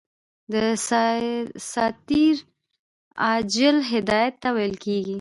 دساتیر عاجل هدایت ته ویل کیږي.